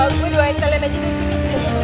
gue doain talent aja di sini